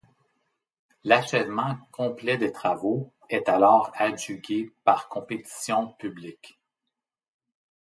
L’achèvement complet des travaux est alors adjugé par compétition publique.